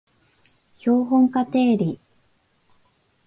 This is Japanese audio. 標本化定理